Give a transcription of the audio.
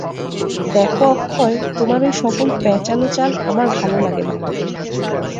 দেখো অক্ষয়, তোমার ঐ-সকল প্যাঁচালো চাল আমার ভালো লাগে না।